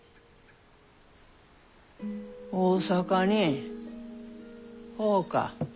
大坂にほうか。